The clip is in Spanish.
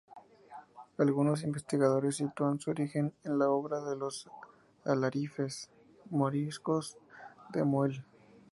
Algunos investigadores sitúan su origen en la obra de los alarifes moriscos de Muel.